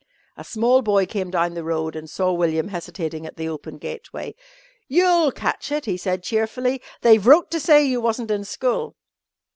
A small boy came down the road and saw William hesitating at the open gateway. "You'll catch it!" he said cheerfully. "They've wrote to say you wasn't in school."